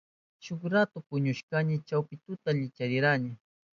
Shuk ratu puñushkani. Chawpi tuta likcharishkani.